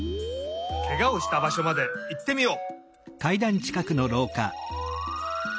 ケガをしたばしょまでいってみよう。